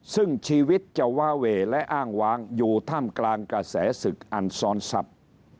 ซึ่งชีวิตจะวาเวและอ้างวางอยู่ท่ามกลางกระแสศึกอันซ้อนทรัพย์